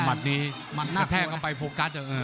มัดนี้มันกระแทกเข้าไปโฟกัส